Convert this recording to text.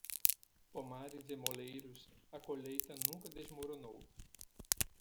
Pomares e moleiros, a colheita nunca desmoronou.